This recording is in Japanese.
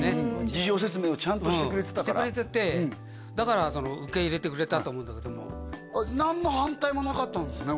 事情説明をちゃんとしてくれてたからだから受け入れてくれたと思うんだけども何の反対もなかったんですね